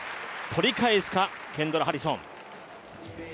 取り返すか、ケンドラ・ハリソン。